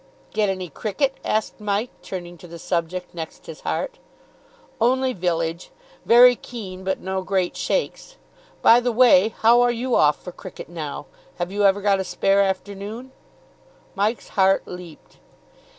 "Get any cricket?" asked Mike, turning to the subject next his heart. "Only village. Very keen, but no great shakes. By the way, how are you off for cricket now? Have you ever got a spare afternoon?" Mike's heart leaped.